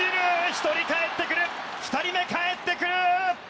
１人かえってくる２人目かえってくる。